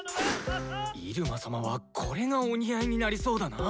入間様はこれがお似合いになりそうだな。